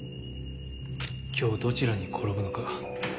今日どちらに転ぶのか。